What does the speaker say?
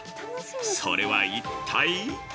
それは一体？